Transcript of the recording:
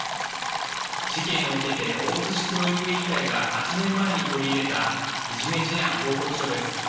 事件を受けて、大津市教育委員会が８年前に取り入れたいじめ事案報告書です。